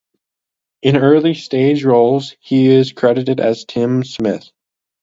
In early stage roles he is credited as "Tim Smith".